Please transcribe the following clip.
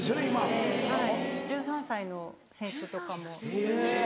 はい１３歳の選手とかも。